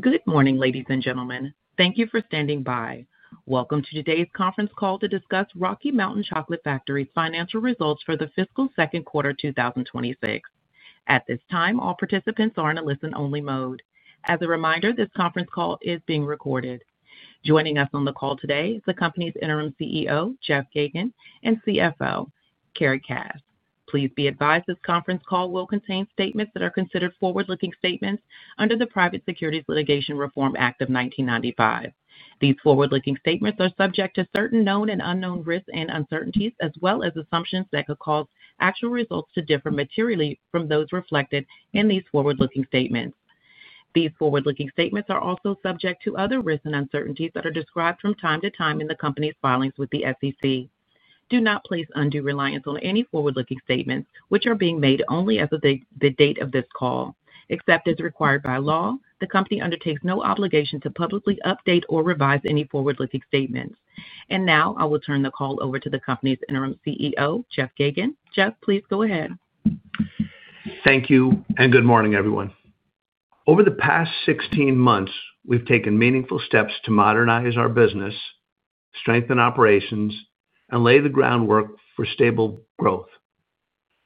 Good morning, ladies and gentlemen. Thank you for standing by. Welcome to today's conference call to discuss Rocky Mountain Chocolate Factory's financial results for the fiscal second quarter 2026. At this time, all participants are in a listen-only mode. As a reminder, this conference call is being recorded. Joining us on the call today is the company's Interim CEO, Jeff Geygan, and CFO Carrie Kass. Please be advised, this conference call will. Contain statements that are considered forward-looking. Statements under the Private Securities Litigation Reform Act of 1995. These forward-looking statements are subject to certain known and unknown risks and uncertainties, as well as assumptions that could cause actual results to differ materially from those reflected in these forward-looking statements. These forward-looking statements are also subject to other risks and uncertainties that are described from time to time in the Company's filings with the SEC. Do not place undue reliance on any forward-looking statements, which are being made only as of the date of this call. Except as required by law, the Company undertakes no obligation to publicly update or revise any forward-looking statements. I will turn the call over to the Company's Interim CEO, Jeff Geygan. Jeff, please go ahead. Thank you and good morning everyone. Over the past 16 months, we've taken meaningful steps to modernize our business, strengthen operations, and lay the groundwork for stable growth,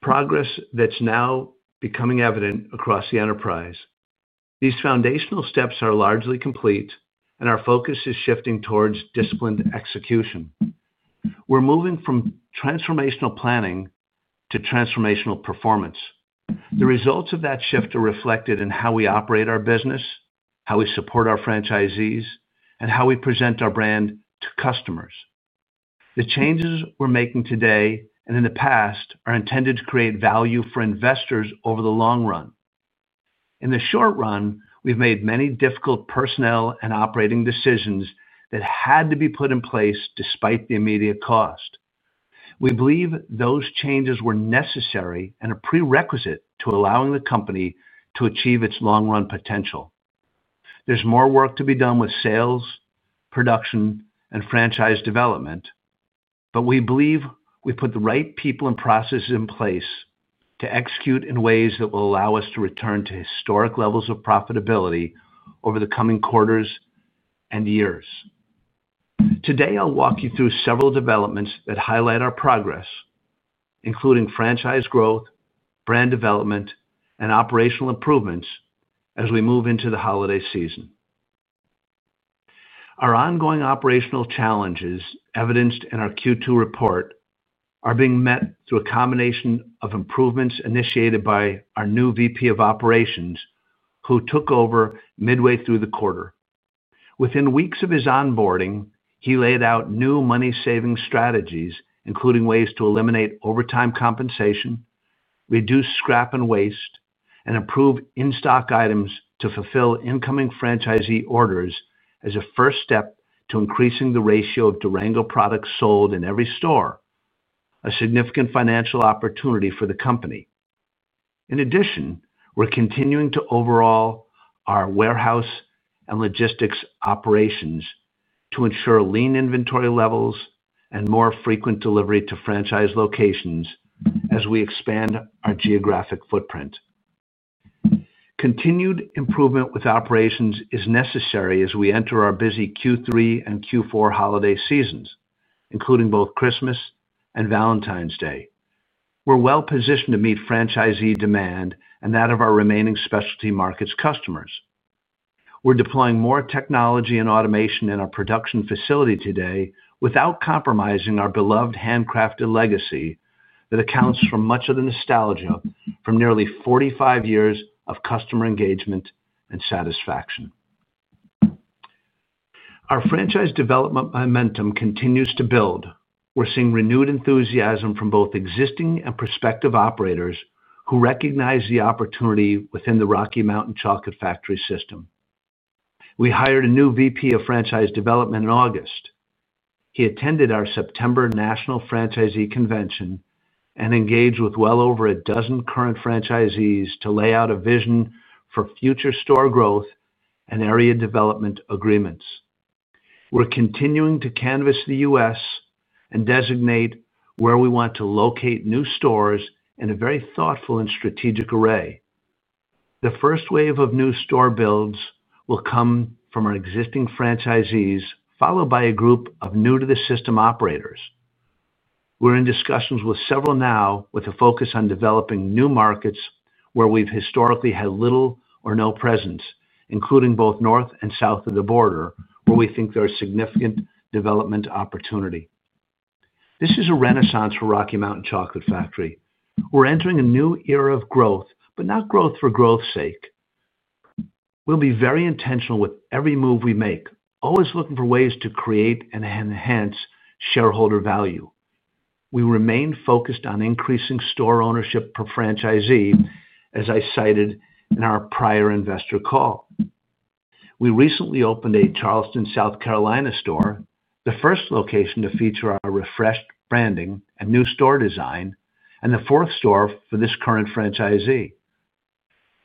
progress that's now becoming evident across the enterprise. These foundational steps are largely complete, and our focus is shifting towards disciplined execution. We're moving from transformational planning to transformational performance. The results of that shift are reflected in how we operate our business, how we support our franchisees, and how we present our brand to customers. The changes we're making today and in the past are intended to create value for investors over the long run. In the short run, we've made many difficult personnel and operating decisions that had to be put in place. Despite the immediate cost, we believe those changes were necessary and a prerequisite to allowing the company to achieve its long run potential. There's more work to be done with sales, production, and franchise development, but we believe we put the right people and processes in place to execute in ways that will allow us to return to historic levels of profitability over the coming quarters and years. Today, I'll walk you through several developments that highlight our progress, including franchise growth, brand development, and operational improvements as we move into the holiday season. Our ongoing operational challenges evidenced in our Q2 report are being met through a combination of improvements initiated by our new VP of Operations who took over midway through the quarter. Within weeks of his onboarding, he laid out new money-saving strategies including ways to eliminate overtime compensation, reduce scrap and waste, and improve in-stock items to fulfill incoming franchisee orders as a first step to increasing the ratio of Durango products sold in every store, a significant financial opportunity for the company. In addition, we're continuing to overhaul our warehouse and logistics operations to ensure lean inventory levels and more frequent delivery to franchise locations as we expand our geographic footprint. Continued improvement with operations is necessary as we enter our busy Q3 and Q4 holiday seasons, including both Christmas and Valentine's Day. We're well positioned to meet franchisee demand and that of our remaining specialty markets customers. We're deploying more technology and automation in our production facility today without compromising our beloved handcrafted legacy that accounts for much of the nostalgia from nearly 45 years of customer engagement and satisfaction. Our franchise development momentum continues to build. We're seeing renewed enthusiasm from both existing and prospective operators who recognize the opportunity within the Rocky Mountain Chocolate Factory system. We hired a new VP of Franchise Development in August. He attended our September National Franchisee Convention and engaged with well over a dozen current franchisees to lay out a vision for future store growth and area development agreements. We're continuing to canvass the U.S. and designate where we want to locate new stores in a very thoughtful and strategic array. The first wave of new store builds will come from our existing franchisees, followed by a group of new to the system operators. We're in discussions with several now with a focus on developing new markets where we've historically had little or no presence, including both north and south of the border where we think there are significant development opportunity. This is a renaissance for Rocky Mountain Chocolate Factory. We're entering a new era of growth, not growth for growth's sake. We'll be very intentional with every move we make, always looking for ways to create and enhance shareholder value. We remain focused on increasing store ownership per franchisee. As I cited in our prior investor call, we recently opened a Charleston, South Carolina store, the first location to feature our refreshed branding and new store design and the fourth store for this current franchisee.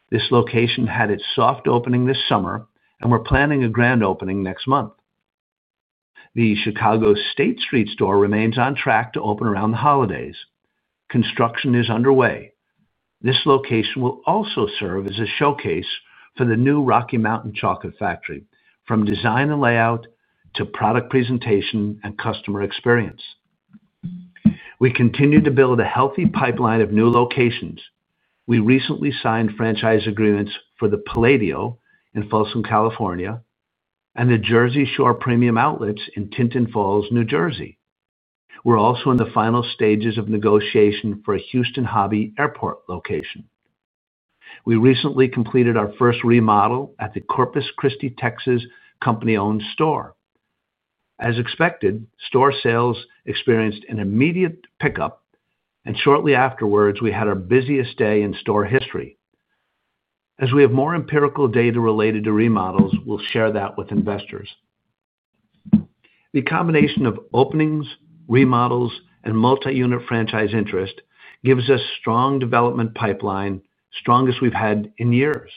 This location had its soft opening this summer and we're planning a grand opening next month. The Chicago State Street store remains on track to open around the holidays. Construction is underway. This location will also serve as a showcase for the new Rocky Mountain Chocolate Factory. From design and layout to product presentation and customer experience, we continue to build a healthy pipeline of new locations. We recently signed franchise agreements for the Palladio in Folsom, California and the Jersey Shore Premium Outlets in Tinton Falls, New Jersey. We're also in the final stages of negotiation for a Houston Hobby Airport location. We recently completed our first remodel at the Corpus Christi, Texas company-owned store. As expected, store sales experienced an immediate pickup, and shortly afterwards we had our busiest day in store history. As we have more empirical data related to remodels, we'll share that with investors. The combination of openings, remodels, and multi-unit franchise interest gives us a strong development pipeline, the strongest we've had in years.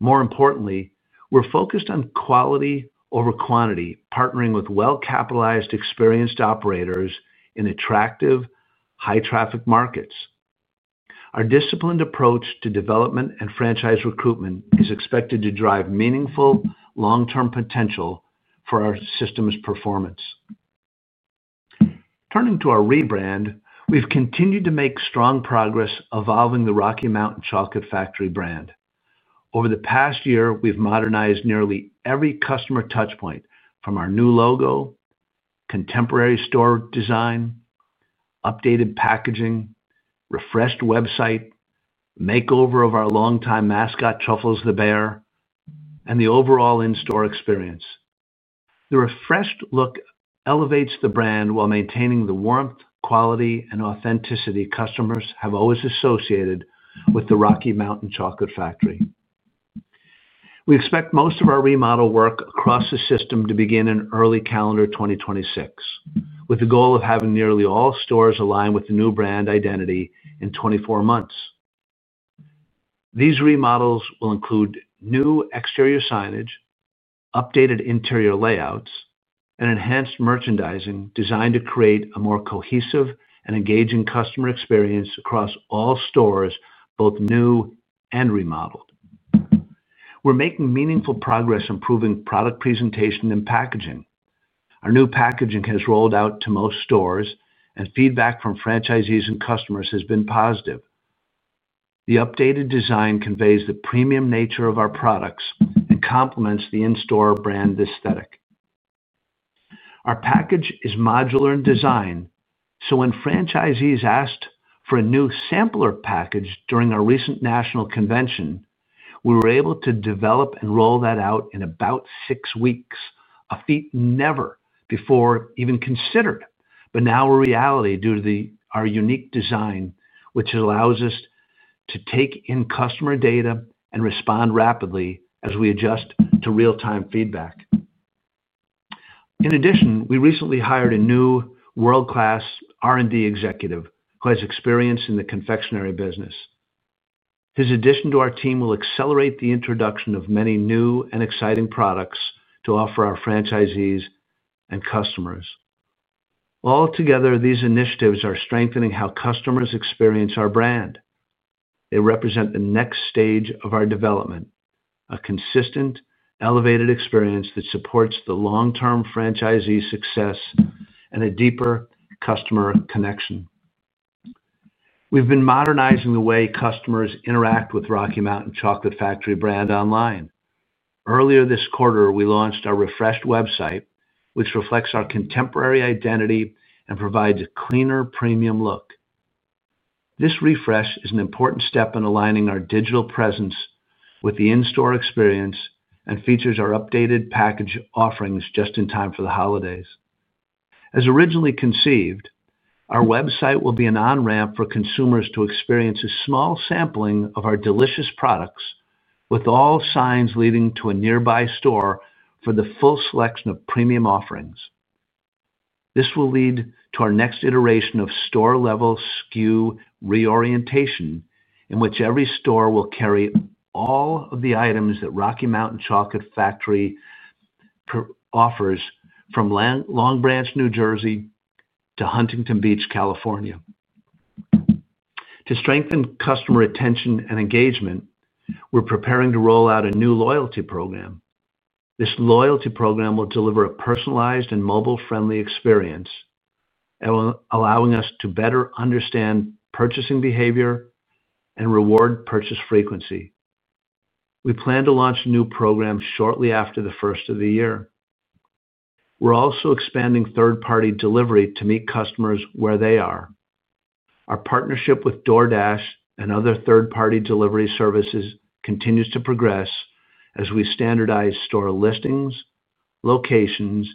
More importantly, we're focused on quality over quantity, partnering with well-capitalized, experienced operators in attractive, high-traffic markets. Our disciplined approach to development and franchise recruitment is expected to drive meaningful long-term potential for our system's performance. Turning to our rebrand, we've continued to make strong progress evolving the Rocky Mountain Chocolate Factory brand. Over the past year, we've modernized nearly every customer touch point, from our new logo, contemporary store design, updated packaging, refreshed website, makeover of our longtime mascot, Truffles the Bear, and the overall in-store experience. The refreshed look elevates the brand while maintaining the warmth, quality, and authenticity customers have always associated with Rocky Mountain Chocolate Factory. We expect most of our remodel work across the system to begin in early calendar 2026, with the goal of having nearly all stores align with the new brand identity in 24 months. These remodels will include new exterior signage, updated interior layouts, and enhanced merchandising designed to create a more cohesive and engaging customer experience across all stores, both new and remodeled. We're making meaningful progress improving product presentation and packaging. Our new packaging has rolled out to most stores, and feedback from franchisees and customers has been positive. The updated design conveys the premium nature of our products and complements the in-store brand aesthetic. Our package is modular in design, so when franchisees asked for a new sampler package during our recent national convention, we were able to develop and roll that out in about six weeks, a feat never before even considered but now a reality due to our unique design, which allows us to take in customer data and respond rapidly as we adjust to real-time feedback. In addition, we recently hired a new world-class R&D executive who has experience in the confectionery business. His addition to our team will accelerate the introduction of many new and exciting products to offer our franchisees and customers. Altogether, these initiatives are strengthening how customers experience our brand. They represent the next stage of our development, a consistent, elevated experience that supports the long-term franchisee success and a deeper customer connection. We've been modernizing the way customers interact with the Rocky Mountain Chocolate Factory brand online. Earlier this quarter, we launched our refreshed website, which reflects our contemporary identity and provides a cleaner, premium look. This refresh is an important step in aligning our digital presence with the in-store experience and features our updated package offerings just in time for the holidays. As originally conceived, our website will be an on-ramp for consumers to experience a small sampling of our delicious products, with all signs leading to a nearby store for the full selection of premium offerings. This will lead to our next iteration of store-level SKU reorientation, in which every store will carry all of the items that Rocky Mountain Chocolate Factory offers from Long Branch, New Jersey to Huntington Beach, California. To strengthen customer attention and engagement, we're preparing to roll out a new loyalty program. This loyalty program will deliver a personalized and mobile-friendly experience, allowing us to better understand purchasing behavior and reward purchase frequency. We plan to launch new programs shortly after the first of the year. We're also expanding third-party delivery to meet customers where they are. Our partnership with DoorDash and other third-party delivery services continues to progress as we standardize store listings, locations,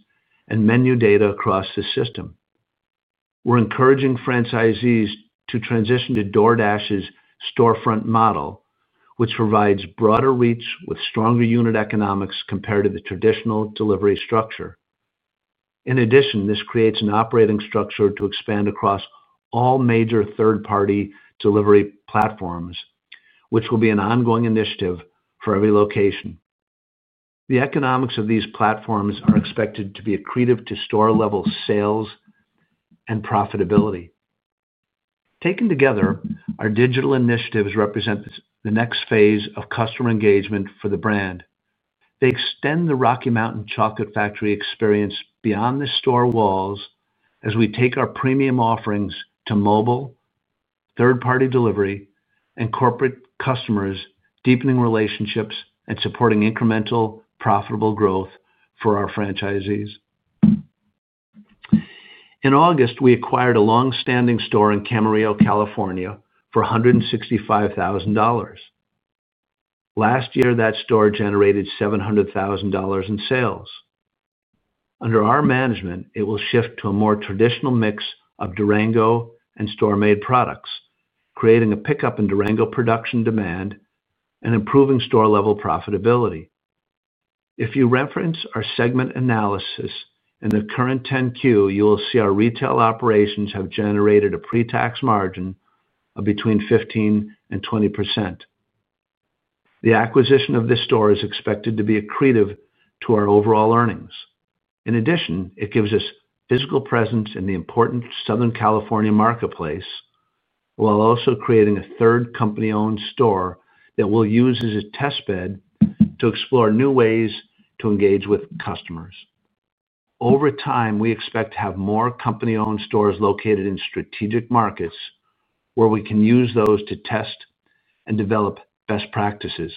and menu data across the system. We're encouraging franchisees to transition to DoorDash's storefront model, which provides broader reach with stronger unit economics compared to the traditional delivery structure. In addition, this creates an operating structure to expand across all major third-party delivery platforms, which will be an ongoing initiative for every location. The economics of these platforms are expected to be accretive to store-level sales and profitability. Taken together, our digital initiatives represent the next phase of customer engagement for the brand. They extend the Rocky Mountain Chocolate Factory experience beyond the store walls as we take our premium offerings to mobile third-party delivery and corporate customers, deepening relationships and supporting incremental profitable growth for our franchisees. In August, we acquired a long-standing store in Camarillo, California for $165,000. Last year that store generated $700,000 in sales. Under our management, it will shift to a more traditional mix of Durango and store-made products, creating a pickup in Durango production demand and improving store-level profitability. If you reference our segment analysis in the current 10-Q, you will see our retail operations have generated a pre-tax margin between 15% and 20%. The acquisition of this store is expected to be accretive to our overall earnings. In addition, it gives us physical presence in the important Southern California marketplace while also creating a third company-owned store that we'll use as a test bed to explore new ways to engage with customers. Over time, we expect to have more company-owned stores located in strategic markets where we can use those to test and develop best practices.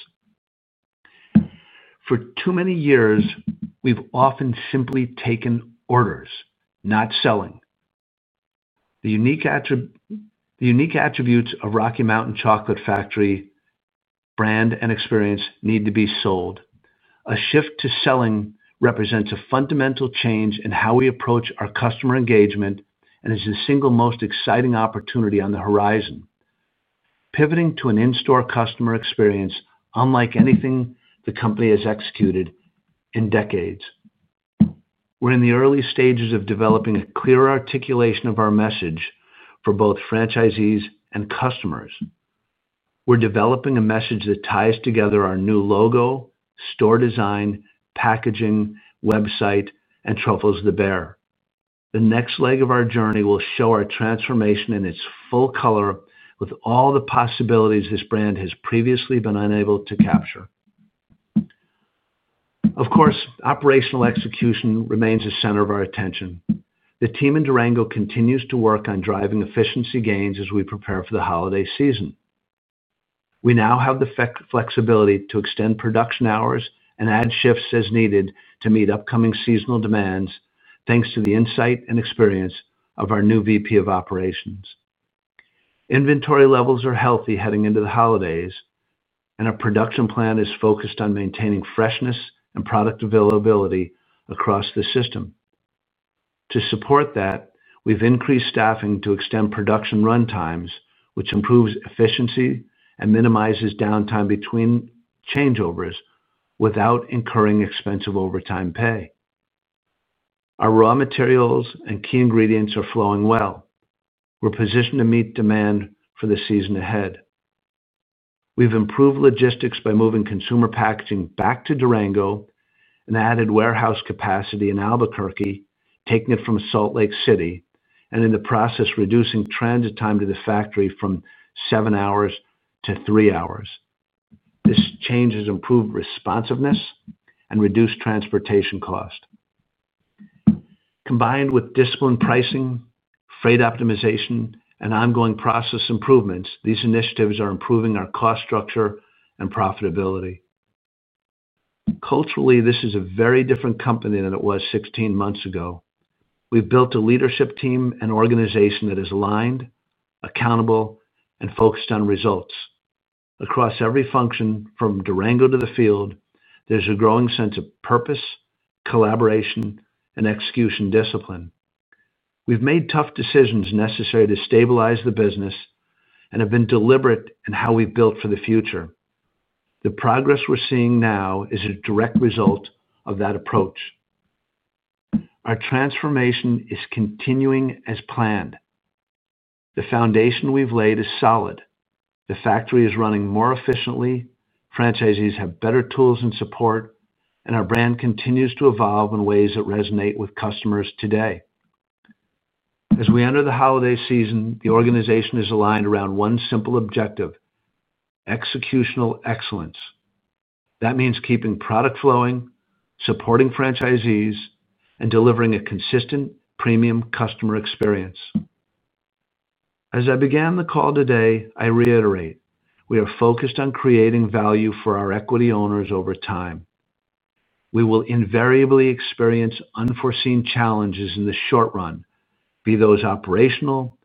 For too many years, we've often simply taken orders, not selling. The unique attributes of Rocky Mountain Chocolate Factory brand and experience need to be sold. A shift to selling represents a fundamental change in how we approach our customer engagement and is the single most exciting opportunity on the horizon, pivoting to an in-store customer experience unlike anything the company has executed in decades. We're in the early stages of developing a clear articulation of our message for both franchisees and customers. We're developing a message that ties together our new logo, store design, packaging, website, and truffles. The bear, the next leg of our journey, will show our transformation in its full color with all the possibilities this brand has previously been unable to capture. Of course, operational execution remains the center of our attention. The team in Durango continues to work on driving efficiency gains as we prepare for the holiday season. We now have the flexibility to extend production hours and add shifts as needed to meet upcoming seasonal demands. Thanks to the insight and experience of our new VP of Operations, inventory levels are healthy heading into the holidays and a production plan is focused on maintaining freshness and product availability across the system. To support that, we've increased staffing to extend production run times, which improves efficiency and minimizes downtime between changeovers without incurring expensive overtime pay. Our raw materials and key ingredients are flowing well. We're positioned to meet demand for the season ahead. We've improved logistics by moving consumer packaging back to Durango and added warehouse capacity in Albuquerque, taking it from Salt Lake City and in the process reducing transit time to the factory from seven hours to three hours. This change has improved responsiveness and reduced transportation cost. Combined with disciplined pricing, freight optimization, and ongoing process improvements, these initiatives are improving our cost structure and profitability. Culturally, this is a very different company than it was 16 months ago. We've built a leadership team and organization that is aligned, accountable, and focused on results. Across every function from Durango to the field, there's a growing sense of purpose, collaboration, and execution discipline. We've made tough decisions necessary to stabilize the business and have been deliberate in how we built for the future. The progress we're seeing now is a direct result of that approach. Our transformation is continuing as planned. The foundation we've laid is solid. The factory is running more efficiently, franchisees have better tools and support, and our brand continues to evolve in ways that resonate with customers today. As we enter the holiday season, the organization is aligned around one simple objective: executional excellence. That means keeping product flowing, supporting franchisees, and delivering a consistent premium customer experience. As I began the call today, I reiterate we are focused on creating value for our equity owners over time. We will invariably experience unforeseen challenges in the short run, be those operational,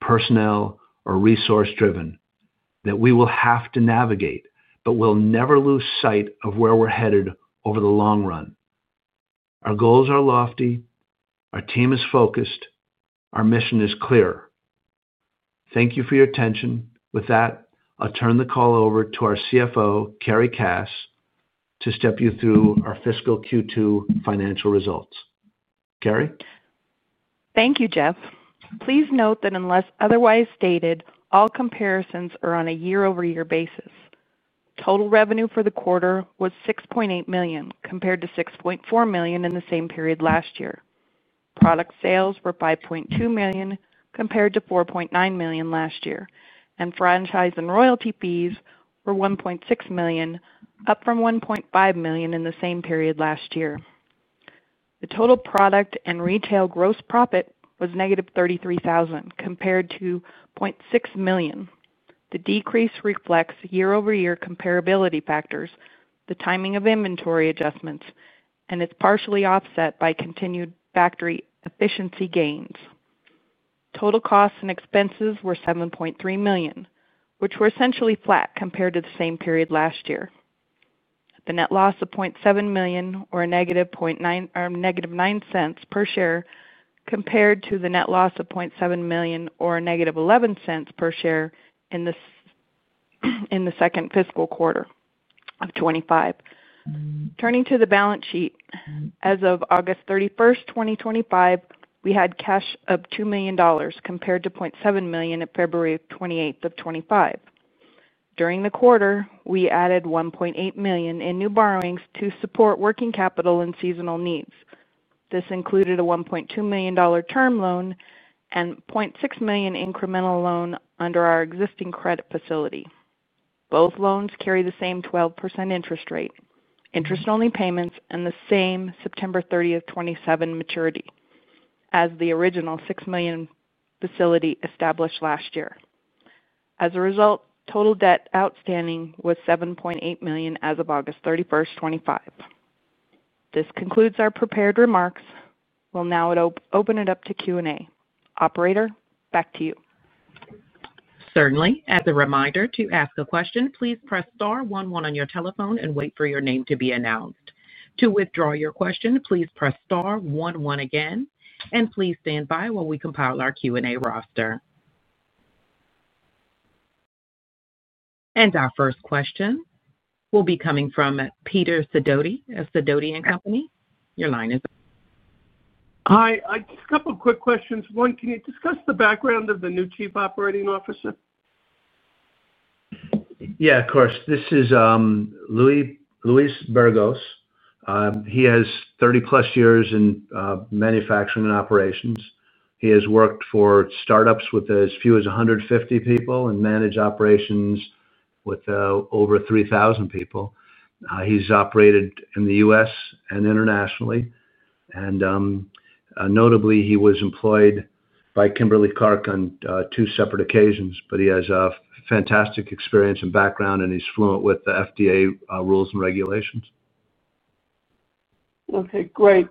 personnel, or resource driven that we will have to navigate, but will never lose sight of where we're headed over the long run. Our goals are lofty, our team is focused, our mission is clearer. Thank you for your attention. With that, I'll turn the call over to our CFO Carrie Kass to step you through our fiscal Q2 financial results. Carrie, thank you, Jeff. Please note that unless otherwise stated, all comparisons are on a year-over-year basis. Total revenue for the quarter was $6.8 million compared to $6.4 million in the same period last year. Product sales were $5.2 million compared to $4.9 million last year, and franchise and royalty fees were $1.6 million, up from $1.5 million in the same period last year. The total product and retail gross profit was negative $33,000. The decrease reflects year-over-year comparability factors, the timing of inventory adjustments, and is partially offset by continued factory efficiency gains. Total costs and expenses were $7.3 million, which were essentially flat compared to the same period last year. The net loss of $0.7 million, or negative $0.09 per share, compared to the net loss of $0.7 million or negative $0.11 per share in the second quarter of 2025. Turning to the balance sheet, as of August 31, 2025, we had cash of $2 million compared to $0.7 million at February 28, 2025. During the quarter, we added $1.8 million in new borrowings to support working capital and seasonal needs. This included a $1.2 million term loan and $6 million incremental loan under our existing credit facility. Both loans carry the same 12% interest rate, interest-only payments, and the same September 30, 2027 maturity as the original $6 million facility established last year. As a result, total debt outstanding was $7.8 million as of August 31, 2025. This concludes our prepared remarks. We'll now open it up to Q&A. Operator, back to you. As a reminder to ask a question, please press star 1 1 on your telephone and wait for your name to be announced. To withdraw your question, please press star 1 1 again. Please stand by while we compile our Q&A roster. Our first question will be coming from Peter Thomas Sidoti of Sidoti & Company. Your line is up. Hi. A couple quick questions. One, can you discuss the background of the new Chief Operating Officer? Yeah, of course. This is Luis Burgos. He has 30+ years in manufacturing and operations. He has worked for startups with as few as 150 people and managed operations with over 3,000 people. He's operated in the U.S. and internationally, and notably he was employed by Kimberly Clark on two separate occasions. He has a fantastic experience and background, and he's fluent with the FDA rules and regulations. Okay, great.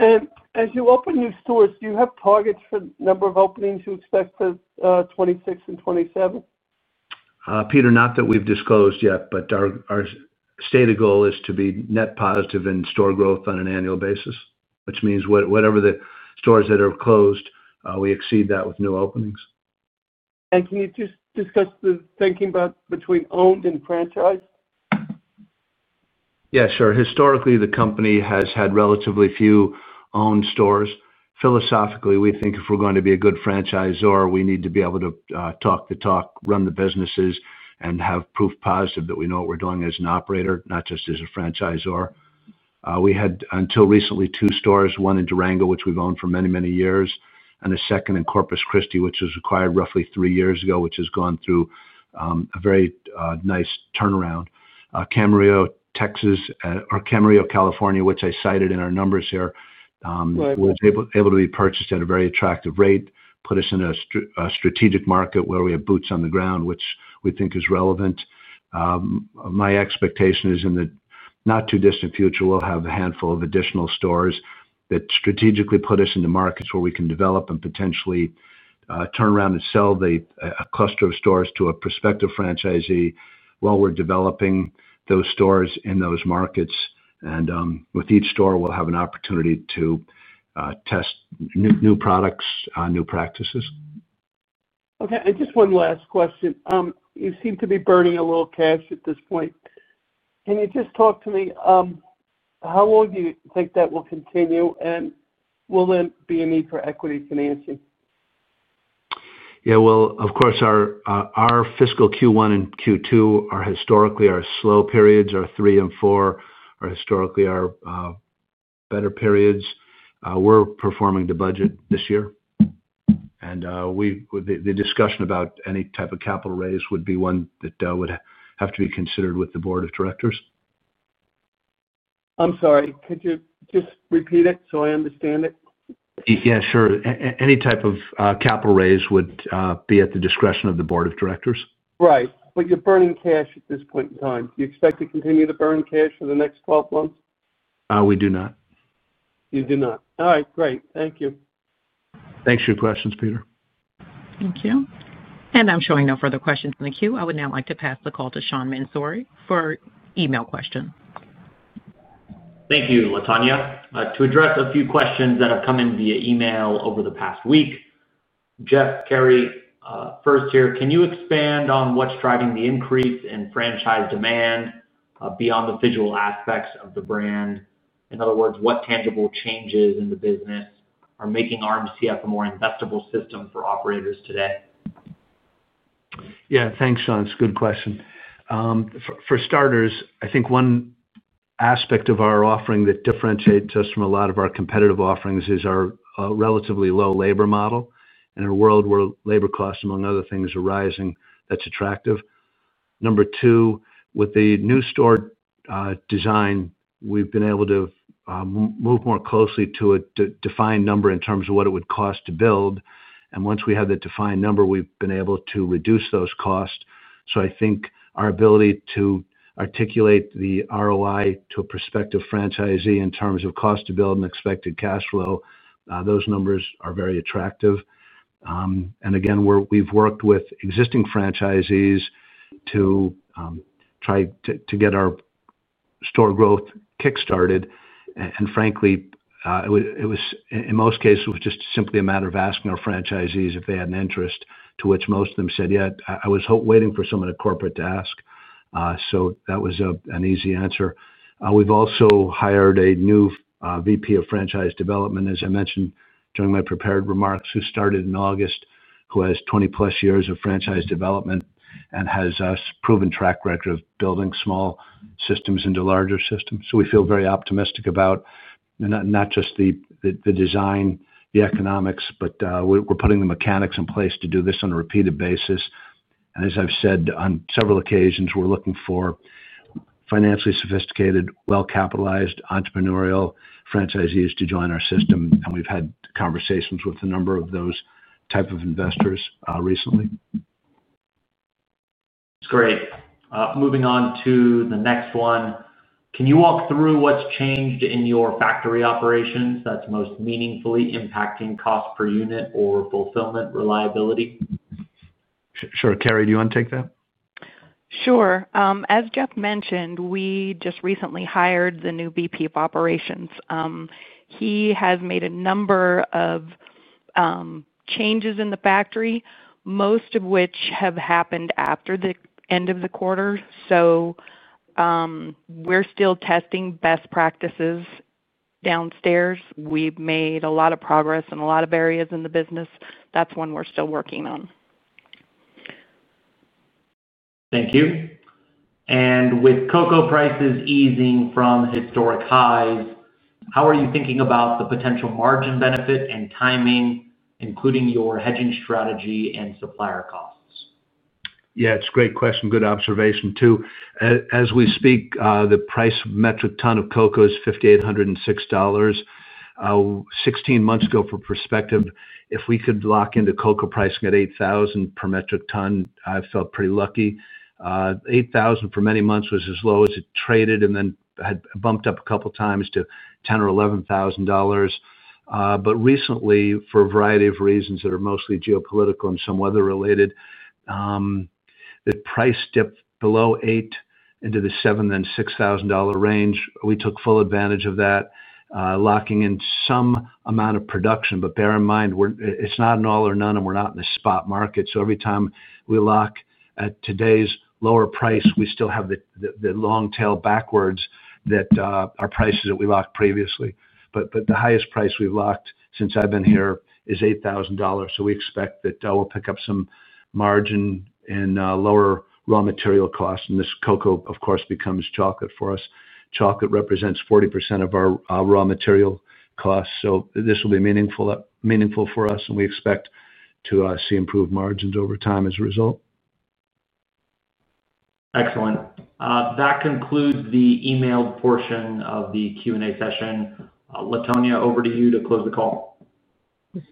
As you open new stores, do you have targets for number of openings you expect to 2026 and 2027, Peter? Not that we've disclosed yet, but our stated goal is to be net positive in store growth on an annual basis, which means whatever the stores that are closed, we exceed that with new openings. Can you just discuss the thinking between owned and franchised? Yes, sir. Historically, the company has had relatively few owned stores. Philosophically, we think if we're going to be a good franchisor, we need to be able to talk the talk, run the businesses, and have proof positive that we know what we're doing as an operator, not just as a franchisor. We had, until recently, two stores. One in Durango, which we've owned for many, many years, and a second in Corpus Christi, which was acquired roughly three years ago, which has gone through a very nice turnaround. Camarillo, California, which I cited in our numbers here, was able to be purchased at a very attractive rate, put us in a strategic market where we have boots on the ground, which we think is relevant. My expectation is in the not too distant future, we'll have a handful of additional stores that strategically put us into markets where we can develop and potentially turn around and sell a cluster of stores to a prospective franchisee while we're developing those stores in those markets. With each store, we'll have an opportunity to test new products, new practices. Okay. Just one last question. You seem to be burning a little cash at this point. Can you just talk to me? How long do you think that will continue, and will there be a need for equity financing? Of course, our fiscal Q1 and Q2 are historically our slow periods. Q3 and Q4 historically are better periods. We're performing the budget this year. The discussion about any type of capital raise would be one that would have to be considered with the Board of Directors. I'm sorry, could you just repeat it so I understand it? Yeah, sure. Any type of capital raise would be at the discretion of the Board of Directors. Right. You are burning cash at this point in time. Do you expect to continue to burn cash for the next 12 months? We do not. You do not. All right, great. Thank you. Thanks for your questions, Peter. Thank you. I'm showing no further questions in the queue. I would now like to pass the call to Sean Mansouri for email questions. Thank you, Latonya. To address a few questions that have come in via email over the past week, Jeff, Carrie first here. Can you expand on what's driving the increase in franchise demand beyond the visual aspects of the brand? In other words, what tangible changes in the business are making Rocky Mountain Chocolate Factory a more investable system for operators today? Yeah, thanks, Sean. It's a good question. For starters, I think one aspect of our offering that differentiates us from a lot of our competitive offerings is our relatively low labor model in a world where labor costs, among other things, are rising. That's attractive. Number two, with the new store design, we've been able to move more closely to a defined number in terms of what it would cost to build. Once we have the defined number, we've been able to reduce those costs. I think our ability to articulate the ROI to a prospective franchisee in terms of cost to build and expected cash flow, those numbers are very attractive. We've worked with existing franchisees to try to get our store growth kick started. Frankly, in most cases, it was just simply a matter of asking our franchisees if they had an interest, to which most of them said, yeah, I was waiting for someone at corporate to ask. That was an easy answer. We've also hired a new VP of Franchise Development, as I mentioned during my prepared remarks, who started in August, who has 20+ years of franchise development and has a proven track record of building small systems into larger systems. We feel very optimistic about not just the design and the economics, but we're putting the mechanics in place to do this on a repeated basis. As I've said on several occasions, we're looking for financially sophisticated, well-capitalized entrepreneurial franchisees to join our system. We've had conversations with a number of those type of investors recently. That's great. Moving on to the next one. Can you walk through what's changed in your factory operations that's most meaningfully impacting cost per unit or fulfillment reliability? Sure. Carrie, do you want to take that? Sure. As Jeff mentioned, we just recently hired the new VP of Operations. He has made a number of changes in the factory, most of which have happened after the end of the quarter. We're still testing best practices downstairs. We've made a lot of progress in a lot of areas in the business. That's one we're still working on. Thank you. With cocoa prices easing from historic highs, how are you thinking about the potential margin benefit and timing, including your hedging strategies and supplier costs? Yeah, it's a great question. Good observation too. As we speak, the price per metric ton of cocoa is $5,806. Sixteen months ago, for perspective, if we could lock into cocoa pricing at $8,000 per metric ton, I felt pretty lucky. $8,000 for many months was as low as it traded, and then it had bumped up a couple times to $10,000 or $11,000. Recently, for a variety of reasons that are mostly geopolitical and some weather related, the price dipped below $8,000 into the $7,000 then $6,000 range. We took full advantage of that, locking in some amount of production. Bear in mind, it's not an all or none, and we're not in the spot market. Every time we lock at today's lower price, we still have the long tail backwards that are prices that we locked previously. The highest price we've locked since I've been here is $8,000. We expect that we'll pick up some margin and lower raw material costs, and this cocoa, of course, becomes chocolate for us. Chocolate represents 40% of our raw material costs, so this will be meaningful for us, and we expect to see improved margins over time as a result. Excellent. That concludes the email portion of the Q and A session. Latonya, over to you to close the call.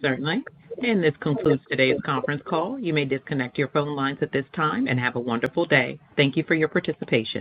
Certainly. This concludes today's conference call. You may disconnect your phone lines at this time and have a wonderful day. Thank you for your participation.